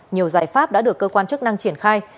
nhiều giải pháp đã được cơ quan chức năng triển khai